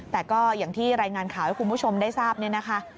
แต่ก็อย่างที่รายงานข่าวให้คุณผู้ชมได้ทราบเนี่ยนะคะ